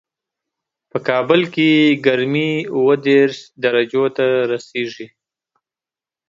په کابل کې ګرمي اووه دېش درجو ته رسېږي